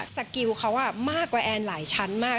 สกิลเขามากกว่าแอนหลายชั้นมาก